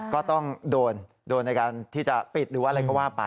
ก็ต้องโดนโดนในการที่จะปิดหรือว่าอะไรก็ว่าไป